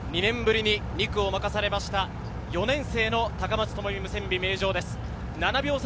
２年ぶりに２区を任されました４年生の高松智美ムセンビ、名城です。